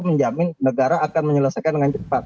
menjamin negara akan menyelesaikan dengan cepat